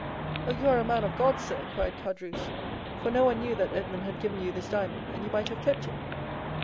"Oh, you are a man of God, sir," cried Caderousse; "for no one knew that Edmond had given you this diamond, and you might have kept it."